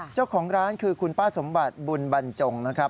เจ้าของร้านคือคุณป้าสมบัติบุญบรรจงนะครับ